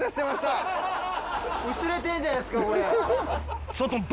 薄れてるじゃないですか俺。